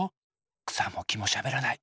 くさもきもしゃべらない。